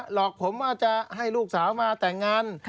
หลอกผมว่าจะให้ลูกสาวมาแต่งงาน